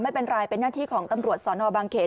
ไม่เป็นไรเป็นหน้าที่ของตำรวจสนบางเขน